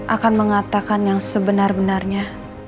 akan mengatakan yang sebenar benarnya